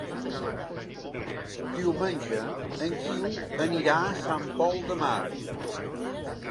Diumenge en Guiu anirà a Sant Pol de Mar.